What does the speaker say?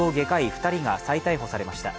２人が再逮捕されました。